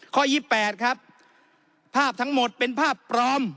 ข้อยี่แปดครับภาพทั้งหมดเป็นภาพปลอม